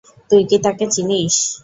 তুই কি তাকে চিনিস?